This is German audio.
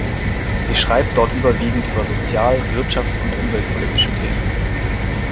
Sie schreibt dort überwiegend über sozial-, wirtschafts- und umweltpolitische Themen.